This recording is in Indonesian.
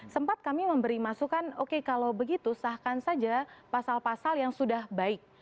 sempat kami memberi masukan oke kalau begitu sahkan saja pasal pasal yang sudah baik